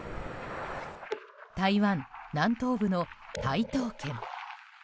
台湾南東部の台東県。